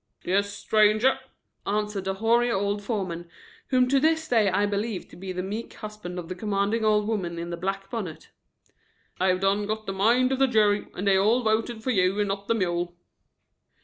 "Yes, stranger," answered the hoary old foreman, whom to this day I believe to be the meek husband of the commanding old woman in the black bonnet. "I have done got the mind of the jury and they all voted fer you and not the mule."